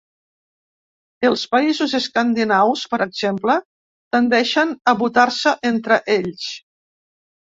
Els països escandinaus, per exemple, tendeixen a votar-se entre ells.